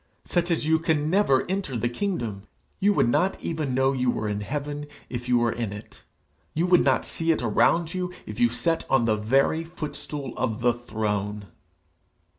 Such as you can never enter the kingdom. You would not even know you were in heaven if you were in it; you would not see it around you if you sat on the very footstool of the throne.'